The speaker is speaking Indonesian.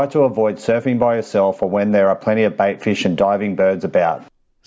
coba untuk mengelakkan berlari sendiri atau ketika ada banyak ikan hiu dan burung yang menyerang